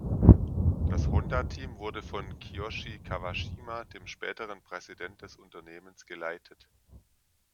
Das Honda-Team wurde von Kiyoshi Kawashima, dem späteren Präsident des Unternehmens geleitet.